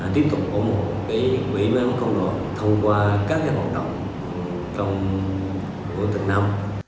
tiếp tục có một quỹ máy âm công đoàn thông qua các hoạt động trong tầng năm